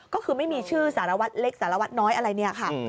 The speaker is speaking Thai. ก็คือไม่มีชื่อสารวัตรเล็กสารวัตรน้อยอะไรเนี่ยค่ะ